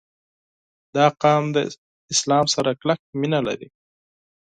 • دا قوم د اسلام سره کلکه مینه لري.